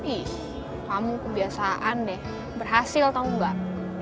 ih kamu kebiasaan deh berhasil tau nggak